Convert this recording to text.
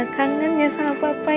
kangen ya sama papa